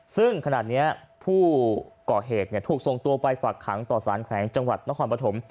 ซึ่งขณะนี้ผู้ก่อเหตุถูกส่งตัวไปฝากขังต่อสารแขวงจังหวัดนครปฐม